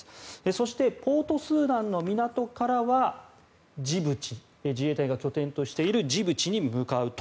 そしてポート・スーダンの港からは自衛隊が拠点としているジブチに向かうと。